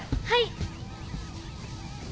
はい。